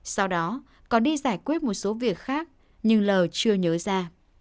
sau đó còn đi giải quyết một số việc khác nhưng l chưa nhớ ra